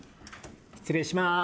失礼します。